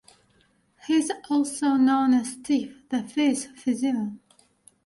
He is also known as Steve "The Phiz" Physioc.